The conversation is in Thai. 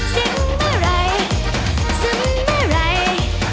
เสียงเมื่อไรซึมเมื่อไร